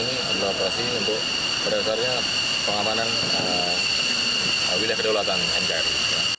elang ini adalah operasi untuk berdasarnya pengamanan wilayah kedaulatan nkri